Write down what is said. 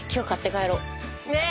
ねっ！